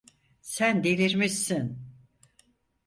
Sen delirmişsin!